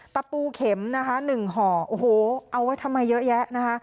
ตะปูเข็มนะคะ๑ห่อโอ้โหเอาไว้ทำไมเยอะแยะนะคะ